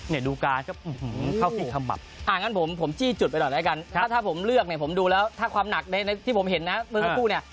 ดูการก็เข้าที่ขมับอ่างั้นผมผมจี้จุดไปหน่อยแล้วกันถ้าผมเลือกเนี่ยผมดูแล้วถ้าความหนักในที่ผมเห็นนะเมื่อสักครู่เนี่ย